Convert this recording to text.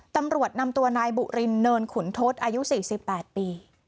ตำรวจนำตัวนายบุรินเนินขุนทศอายุ๔๘ปี